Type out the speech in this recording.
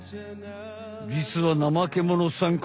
じつはナマケモノさん